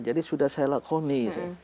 jadi sudah saya lakoni